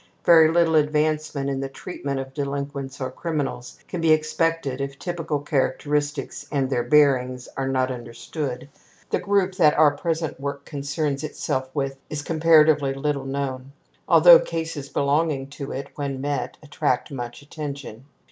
Very little advancement in the treatment of delinquents or criminals can be expected if typical characteristics and their bearings are not understood. The group that our present work concerns itself with is comparatively little known, although cases belonging to it, when met, attract much attention.